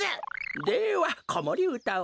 ではこもりうたを。